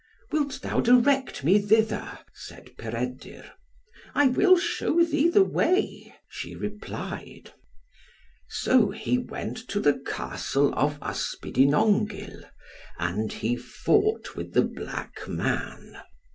"Wilt thou direct me thither?" said Peredur. "I will show thee the way," she replied. So he went to the Castle of Ysbidinongyl, and he fought with the black man.